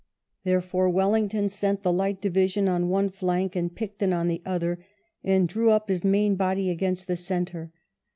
Therefore Wellington sent the Light Division on one flank and Picton on the other, and drew up his main body against the centre.